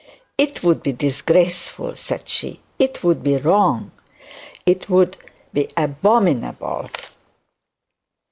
'It would be disgraceful,' said she; 'it would be wrong; it would be abominable.